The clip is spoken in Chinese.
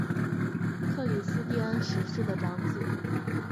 克里斯蒂安十世的长子。